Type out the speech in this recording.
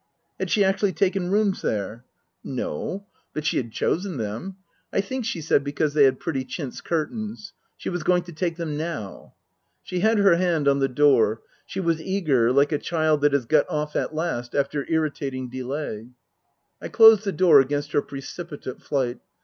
Had she actually taken rooms there ? Book I : My Book 17 No. But she had chosen them (I think she said because they had pretty chintz curtains). She was going to take them now. She had her hand on the door. She was eager, like a child that has got off at last, after irritating delay. I closed the door against her precipitate flight.